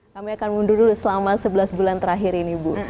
kami akan mundur dulu selama sebelas bulan terakhir ini bu